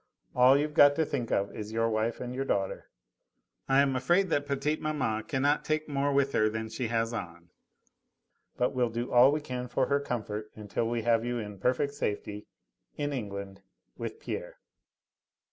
All you've got to think of is your wife and your daughter. I am afraid that petite maman cannot take more with her than she has on, but we'll do all we can for her comfort until we have you all in perfect safety in England with Pierre."